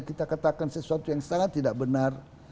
kita katakan sesuatu yang sangat tidak benar